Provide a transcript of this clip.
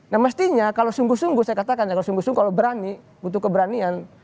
nah mestinya kalau sungguh sungguh saya katakan kalau berani butuh keberanian